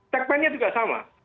segmentnya juga sama